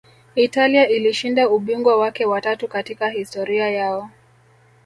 italia ilishinda ubingwa wake wa tatu katika historia yao